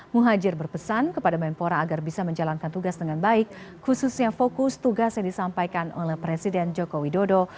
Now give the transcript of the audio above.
muhajir berpesan kepada menpora agar bisa menjalankan tugas dengan baik khususnya fokus tugas yang disampaikan oleh presiden joko widodo